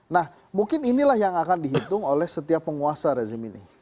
nah mungkin inilah yang akan dihitung oleh setiap penguasa rezim ini